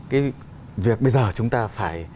cái việc bây giờ chúng ta phải